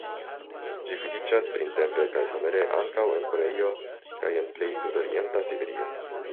Ĝi vidiĝas printempe kaj somere ankaŭ en Koreio kaj en plej sudorienta Siberio.